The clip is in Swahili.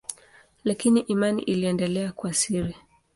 Lakini imani iliendelea kwa siri.